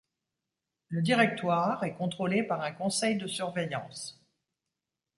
Le directoire est contrôlé par un conseil de surveillance.